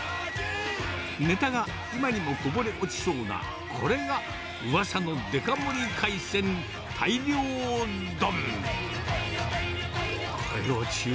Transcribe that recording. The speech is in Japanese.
ねたが今にもこぼれ落ちそうな、これがうわさのデカ盛り海鮮大漁丼。